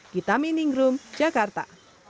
gita miningrum jakarta